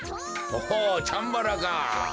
おおチャンバラか。